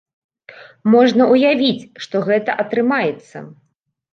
Можна ўявіць, што гэта атрымаецца.